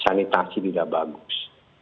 sanitasi tidak bagus